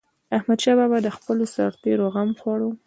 احمدشاه بابا به د خپلو سرتيرو غم خوړ.